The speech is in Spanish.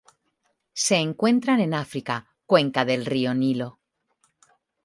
Se encuentran en África: cuenca del río Nilo.